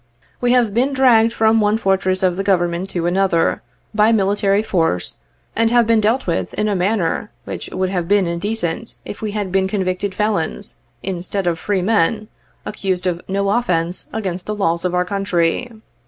We have been dragged from one fortress of the Government to another, by military force, and have been dealt with in a manner which would have been indecent if we had been convicted felons, instead of free men, accused of no offence against the laws of our country.